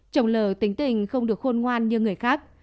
chồng lờ tính tình không được khôn ngoan như người khác